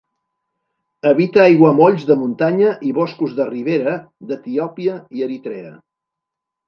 Habita aiguamolls de muntanya i boscos de ribera d'Etiòpia i Eritrea.